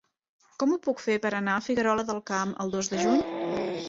Com ho puc fer per anar a Figuerola del Camp el dos de juny?